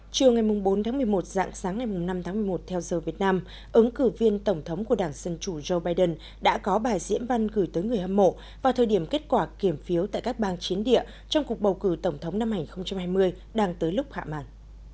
chiều ngày bốn tháng một mươi một dạng sáng ngày năm tháng một mươi một theo giờ việt nam ứng cử viên tổng thống của đảng dân chủ joe biden đã có bài diễn văn gửi tới người hâm mộ vào thời điểm kết quả kiểm phiếu tại các bang chiến địa trong cuộc bầu cử tổng thống năm hai nghìn hai mươi đang tới lúc hạ màn